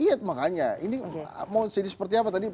iya makanya ini mau jadi seperti apa tadi